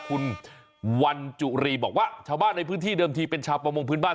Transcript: คุณวันจุรีบอกว่าชาวบ้านในพื้นที่เดิมทีเป็นชาวประมงพื้นบ้าน